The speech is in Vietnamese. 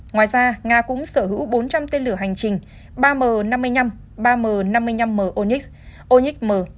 ngoài ra nga cũng sở hữu bốn trăm linh tên lửa hành trình ba m năm mươi năm ba m năm mươi năm m onyx onyx m